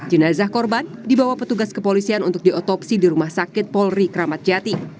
jenazah korban dibawa petugas kepolisian untuk diotopsi di rumah sakit polri kramat jati